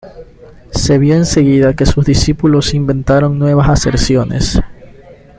Se vio enseguida que sus discípulos inventaron nuevas aserciones.